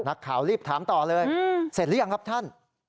นักข่าวรีบถามต่อเลยเสร็จหรือยังครับท่าน